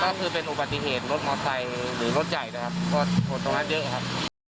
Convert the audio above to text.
ก็คือเป็นอุบัติเหตุรถมอสไทยหรือรถใหญ่ตรงนั้นเยอะครับ